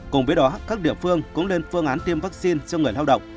cùng với đó các địa phương cũng lên phương án tiêm vaccine cho người lao động